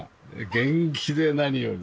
元気で何より。